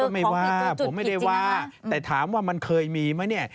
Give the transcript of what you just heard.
ไม่ว่าผมไม่ได้ว่าแต่ถามว่ามันเคยมีไหมเนี่ย